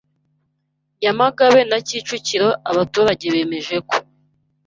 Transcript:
Nyamagabe na Kicukiro abaturage bemeje ko